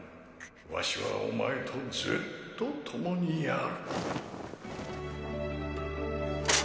わしはお前とずっと共にある